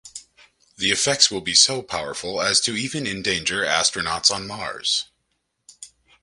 The effects will be so powerful as to even endanger astronauts on Mars.